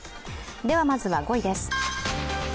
では、まずは５位です。